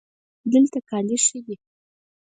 دلته کالي ښه دي